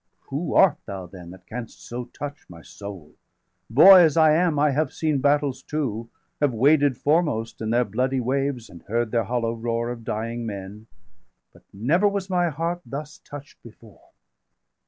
Who art thou then, that canst so touch my soul? Boy as I am, I have seen battles too Have waded foremost in their bloody waves, And heard their hollow° roar of dying men; °435 But never was my heart thus touch'd before.